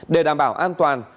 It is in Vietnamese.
để đảm bảo an toàn